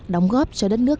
đóng góp cho đất nước